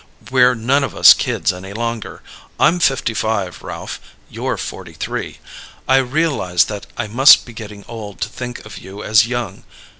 "We're none of us kids any longer. I'm fifty five. Ralph, you're forty three. I realize that I must be getting old to think of you as young.